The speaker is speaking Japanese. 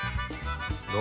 どう？